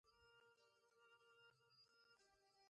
کاناډا د مشورې ورکولو شرکتونه لري.